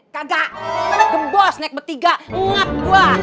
kagak gembos naik bertiga ngap gua